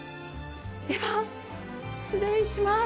では失礼します。